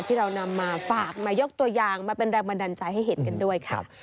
ที่เรานำมาฝากมายกตัวอย่างมาเป็นแรงบันดาลใจให้เห็นกันด้วยค่ะ